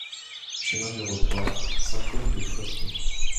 Chemin du Rotoir, Saint-Côme-de-Fresné